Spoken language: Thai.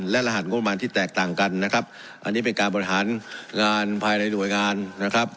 และรหัสงบประมาณที่แตกต่างกันนะครับอันนี้เป็นการบริหารงานภายในหน่วยงานนะครับ